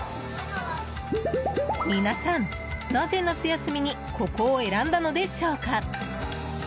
皆さん、なぜ夏休みにここを選んだのでしょうか。